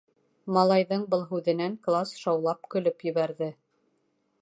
Малайҙың был һүҙенән класс шаулап көлөп ебәрҙе.